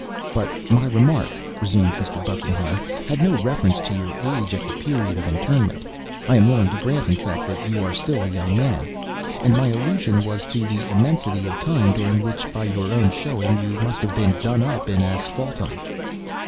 "But my remark," resumed Mr. Buckingham, "had no reference to your age at the period of interment (I am willing to grant, in fact, that you are still a young man), and my illusion was to the immensity of time during which, by your own showing, you must have been done up in asphaltum."